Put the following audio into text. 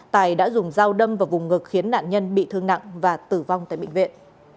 tài đã dùng dao đâm vào vùng ngực khiến nạn nhân bị thương nặng và tử vong tại bệnh viện